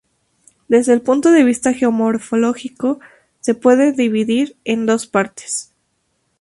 Desde el punto de vista geomorfológico se puede dividir en dos partes.